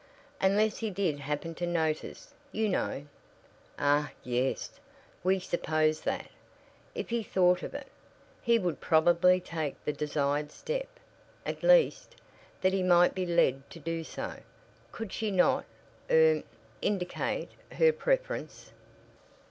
"Unless he did happen to notice, you know." "Ah, yes; we supposed that, if he thought of it, he would probably take the desired step at least, that he might be led to do so. Could she not er indicate her preference?"